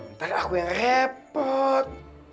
ntar aku yang repot